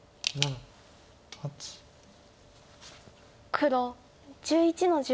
黒１１の十。